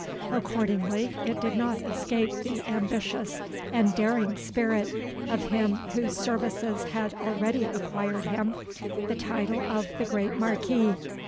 Accordingly it did not escape the ambitious and daring spirit of him whose services had already acquired him the title of the Great Marquis.